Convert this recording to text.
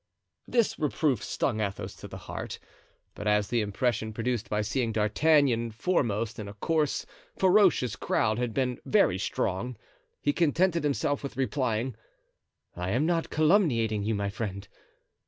This reproof stung Athos to the heart, but as the impression produced by seeing D'Artagnan foremost in a coarse, ferocious crowd had been very strong, he contented himself with replying: "I am not calumniating you, my friend.